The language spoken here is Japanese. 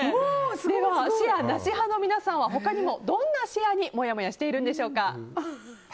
ではシェアなし派の皆さんは他にもどんなシェアにもやもやしているんでしょうか。